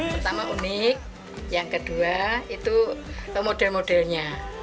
pertama unik yang kedua itu model modelnya